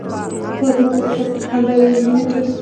زما د مور په خوله تل خندا وي او مینه کوي